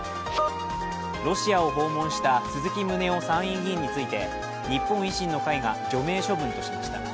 ロシアを訪問した鈴木宗男参院議員について日本維新の会が除名処分としました。